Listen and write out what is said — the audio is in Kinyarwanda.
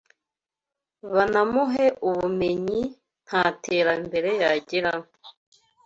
banamuhe ubumenyi nta terambere yageraho